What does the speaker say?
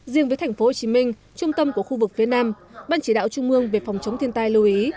riêng với tp hcm trung tâm của khu vực phía nam ban chỉ đạo trung mương về phòng chống thiên tai lưu ý